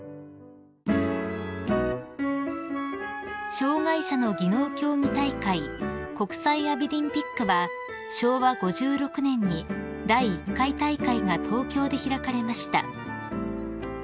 ［障害者の技能競技大会国際アビリンピックは昭和５６年に第１回大会が東京で開かれました］